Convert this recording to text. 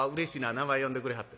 名前呼んでくれはった。